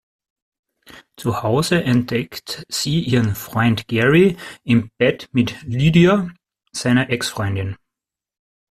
Zu Hause entdeckt sie ihren Freund Gerry im Bett mit Lydia, seiner Ex-Freundin.